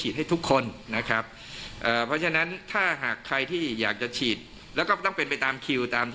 ซึ่งการรับการรับการฌิดวัคซีนต้องเข้ามาได้